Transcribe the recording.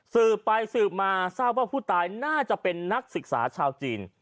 สืบไปสืบมาทราบว่าผู้ตายน่าจะเป็นนักศึกษาชาวจีน